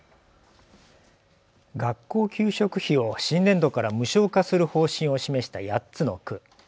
学校給食費を新年度から無償化する方針を示した８つの区。